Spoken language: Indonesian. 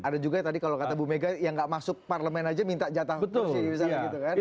ada juga tadi kalau kata ibu mega yang nggak masuk parlemen aja minta catah kursi